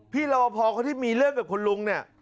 พี่ลอวพอเขาที่มีเรื่องกับคุณลุงเนี่ย